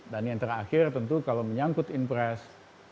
dan yang terakhir tentu kalau menyangkutin pres